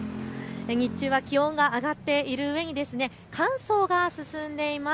日中は気温が上がっているうえに乾燥が進んでいます。